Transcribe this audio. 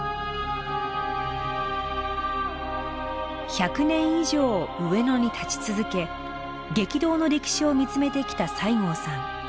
１００年以上上野に立ち続け激動の歴史を見つめてきた西郷さん。